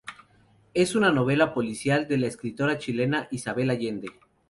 Es una novela policial de la escritora chilena Isabel Allende.